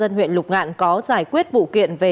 dân huyện lục ngạn có giải quyết vụ kiện về